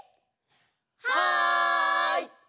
はい！